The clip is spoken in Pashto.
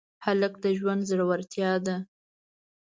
هلک د ژوند زړورتیا ده.